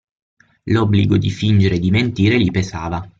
L'obbligo di fingere e di mentire gli pesava.